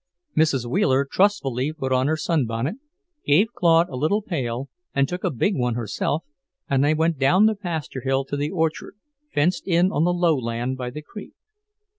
Mrs. Wheeler trustfully put on her sunbonnet, gave Claude a little pail and took a big one herself, and they went down the pasture hill to the orchard, fenced in on the low land by the creek.